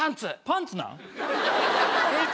パンツなん？